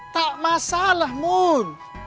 tak masalah mun